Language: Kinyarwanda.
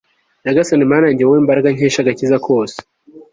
nyagasani mana yanjye, wowe mbaraga nkesha agakiza kose